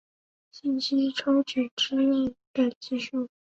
信息抽取之用的技术。